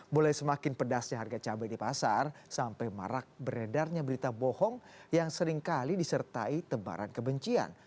mulai semakin pedasnya harga cabai di pasar sampai marak beredarnya berita bohong yang seringkali disertai tebaran kebencian